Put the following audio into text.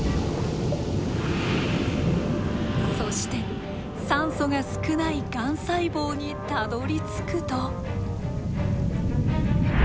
そして酸素が少ないがん細胞にたどりつくと。